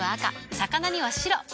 魚には白。